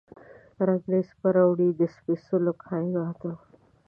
رنګریز به راوړي، د سپیڅلو کائیناتو،